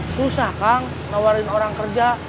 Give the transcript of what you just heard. susah kang nawarin orang kerja